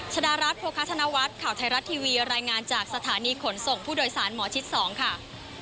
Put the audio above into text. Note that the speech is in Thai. ชดารัฐโภคธนวัฒน์ข่าวไทยรัฐทีวีรายงานจากสถานีขนส่งผู้โดยสารหมอชิด๒ค่ะ